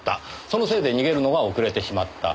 そのせいで逃げるのが遅れてしまった。